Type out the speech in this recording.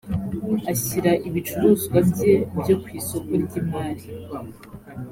ashyira ibicuruzwa bye byo ku isoko ry imari